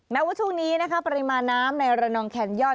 แม้ว่าช่วงนี้นะคะปริมาณน้ำในระนองแคนย่อน